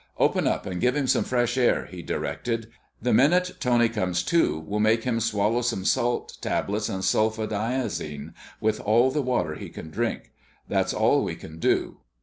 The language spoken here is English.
"Open up and give him some fresh air," he directed. "The minute Tony comes to, we'll make him swallow some salt tablets and sulfadiazine, with all the water he can drink. That's all we can do....